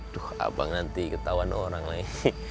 duh abang nanti ketahuan orang lain